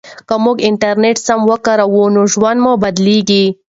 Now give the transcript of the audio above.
که موږ انټرنیټ سم وکاروو نو ژوند مو بدلیږي.